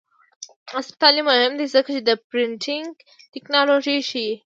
عصري تعلیم مهم دی ځکه چې د پرنټینګ ټیکنالوژي ښيي.